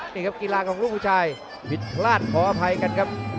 นี่ครับกีฬาของลูกผู้ชายผิดพลาดขออภัยกันครับ